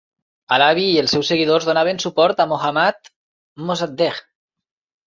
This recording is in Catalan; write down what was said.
Halabi i els seus seguidors donaven suport a Mohammad Mosaddegh.